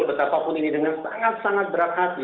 betapapun ini dengan sangat sangat berat hati